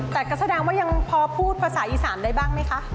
แต่ก็แสดงว่ายังพอพูดภาษาอีสานได้บ้างไหมคะ